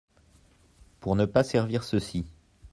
Pour ne pas servir ceux-ci.